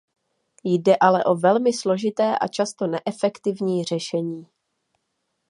Jde ale o velmi složité a často neefektivní řešení.